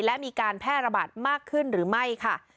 และมีการแพร่ระบาดมากขึ้นหรือไม่ค่ะ